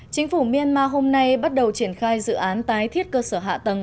chính phủ myanmar hôm nay bắt đầu triển khai dự án tái thiết cơ sở hạ tầng